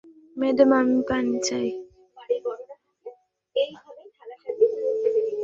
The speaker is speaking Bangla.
ম্যাডাম, আমি পানি চাই।